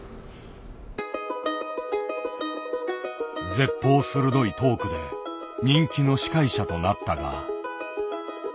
舌鋒鋭いトークで人気の司会者となったが。